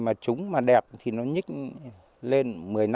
mà trúng mà đẹp thì nó nhích lên một mươi năm hai mươi